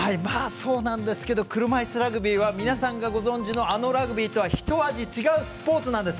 そうなんですけど車いすラグビーが皆さんがご存じのあのラグビーとはひと味違う競技なんです。